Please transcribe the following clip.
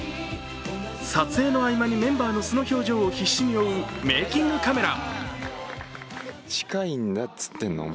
撮影の合間にメンバーの素の表情を必死に追うメーキングカメラ。